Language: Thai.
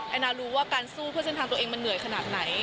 นารู้ว่าการสู้เพื่อเส้นทางตัวเองมันเหนื่อยขนาดไหน